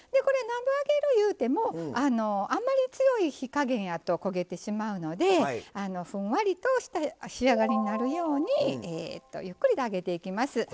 これなんぼ揚げるいうてもあんまり強い火加減やと焦げてしまうのでふんわりとした仕上がりになるようにゆっくりと揚げていきます。